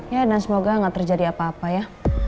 ya dan semoga gak terjadi apa apa ya